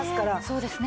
そうですね。